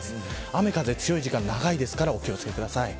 雨風強い時間、長いですからお気を付けください。